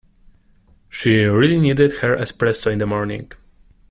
She really needed her espresso in the morning.